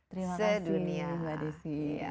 terima kasih mbak desy